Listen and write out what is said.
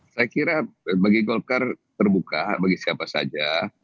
saya kira bagi golkar terbuka bagi siapa saja